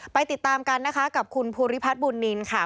ติดตามกันนะคะกับคุณภูริพัฒน์บุญนินค่ะ